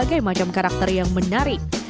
berbagai macam karakter yang menarik